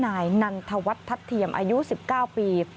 นายนันทวัฒนทัศน์เทียมอายุ๑๙ปี